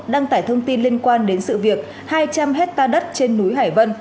đăng tải thông tin liên quan đến sự việc hai trăm linh hectare đất trên núi hải vân